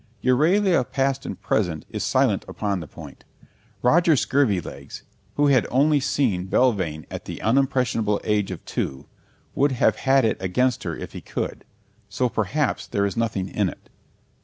Euralia Past and Present is silent upon the point. Roger Scurvilegs, who had only seen Belvane at the unimpressionable age of two, would have had it against her if he could, so perhaps there is nothing in it.